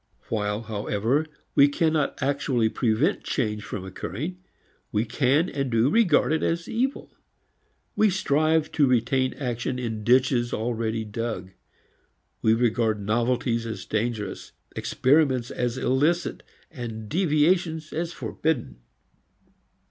While however we cannot actually prevent change from occurring we can and do regard it as evil. We strive to retain action in ditches already dug. We regard novelties as dangerous, experiments as illicit and deviations as forbidden.